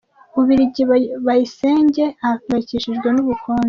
Bubiligi Bayisenge ahangayikishijwe n’ubukonje